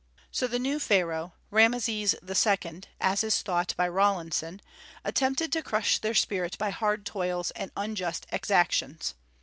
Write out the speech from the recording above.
So the new Pharaoh (Rameses II., as is thought by Rawlinson) attempted to crush their spirit by hard toils and unjust exactions.